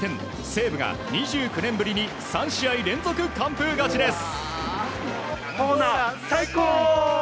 西武が２９年ぶりに３試合連続完封勝ちです。